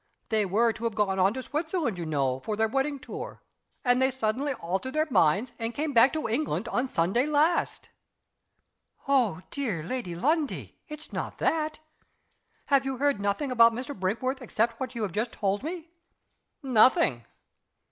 "They were to have gone on to Switzerland, you know, for their wedding tour, and they suddenly altered their minds, and came back to England on Sunday last." "Dear Lady Lundie, it's not that! Have you heard nothing about Mr. Brinkworth except what you have just told me?" "Nothing."